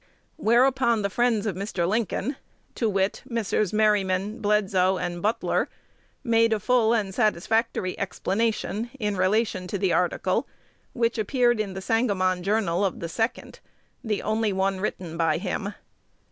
Whereupon the friends of Mr. Lincoln, to wit, Messrs. Merryman, Bledsoe, and Butler, made a full and satisfactory explanation in relation to the article which appeared in "The Sangamon Journal" of the 2d, the only one written by him.